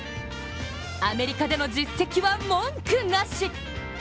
アメリカでの実績は文句なし。